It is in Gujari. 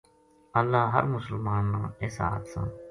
اللہ ہر مسلمان نا ایسا حادثاں